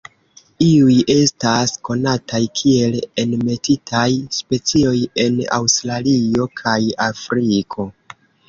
Iuj estas konataj kiel enmetitaj specioj en Aŭstralio kaj Afriko.